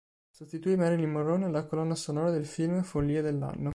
Sostituì Marilyn Monroe nella colonna sonora del film "Follie dell'anno".